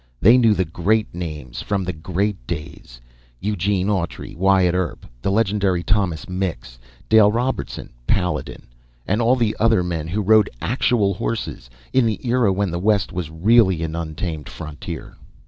They knew the Great Names from the Great Days Eugene Autry, Wyatt Earp, the legendary Thomas Mix, Dale Robertson, Paladin, and all the others; men who rode actual horses in the era when the West was really an untamed frontier.